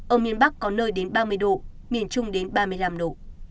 ở miền bắc có nơi đến ba mươi độ miền trung đến ba mươi năm độ